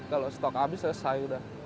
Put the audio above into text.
kalau stok habis selesai udah